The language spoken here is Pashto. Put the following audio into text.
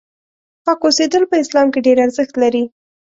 پاک اوسېدل په اسلام کې ډېر ارزښت لري.